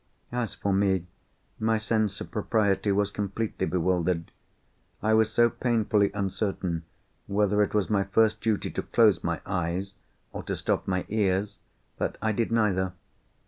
As for me, my sense of propriety was completely bewildered. I was so painfully uncertain whether it was my first duty to close my eyes, or to stop my ears, that I did neither.